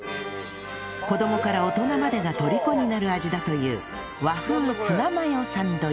子供から大人までがとりこになる味だという和風ツナマヨサンドイッチ